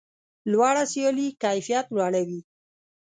لوړه سیالي کیفیت لوړوي.